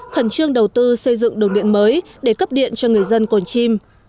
khẩn trương đầu tư xây dựng đường điện mới để cấp điện cho người dân cồn chim